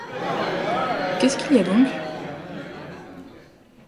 Qu'est-ce qu'il a donc ?